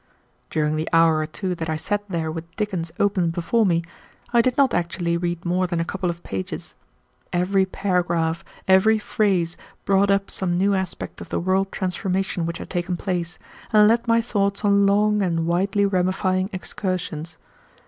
During the hour or two that I sat there with Dickens open before me, I did not actually read more than a couple of pages. Every paragraph, every phrase, brought up some new aspect of the world transformation which had taken place, and led my thoughts on long and widely ramifying excursions.